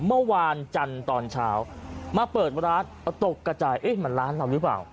เมื่อวานจันทร์ตอนเช้ามาเปิดร้านตกกระจายเอ๊ะมันร้านเราหรือเปล่า